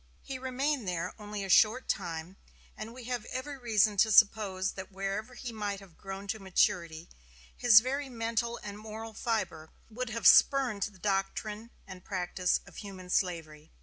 He remained there only a short time, and we have every reason to suppose that wherever he might have grown to maturity his very mental and moral fiber would have spurned the doctrine and practice of human slavery.